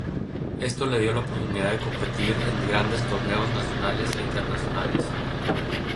Esto le dio la oportunidad de competir en grandes torneos nacionales e internacionales.